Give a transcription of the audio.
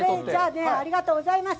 ありがとうございます。